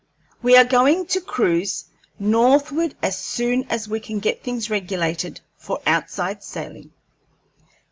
We are going to cruise northward as soon as we can get things regulated for outside sailing.